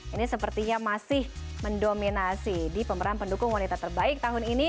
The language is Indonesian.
ini sepertinya masih mendominasi di pemeran pendukung wanita terbaik tahun ini